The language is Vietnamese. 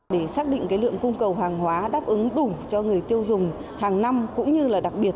để xác định lượng cung cầu hàng hóa đáp ứng đủ cho người tiêu dùng hàng năm cũng như là đặc biệt